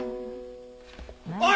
おい！